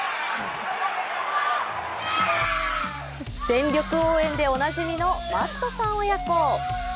全力応援でおなじみのマットさん親子。